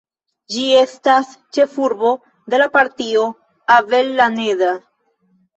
Ĝi estas ĉefurbo de la Partio Avellaneda.